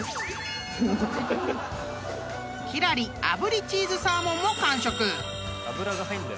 ［輝星あぶりチーズサーモンも完食！］